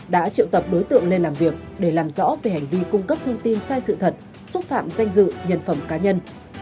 đã triệu tập đối tượng lên làm việc để làm rõ về hành vi cung cấp thông tin sai sự thật xúc phạm danh dự nhân phẩm cá nhân